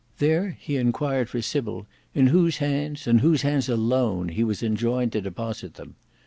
There he enquired for Sybil, in whose hands, and whose hands alone he was enjoined to deposit them.